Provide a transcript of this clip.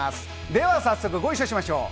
では早速ご一緒しましょう。